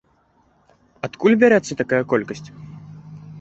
Адкуль бярэцца такая колькасць?